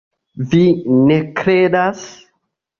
Vi ne kredas?